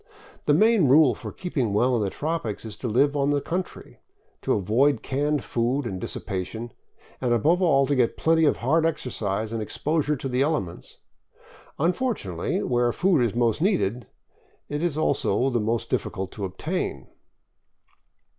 The main rule for keeping well in the tropics is to live on the country, to avoid canned food and dissipation, and above all to get plenty of hard exercise and exposure to the elements. Un fortunately, where food is most needed, it is most difficult to obtain.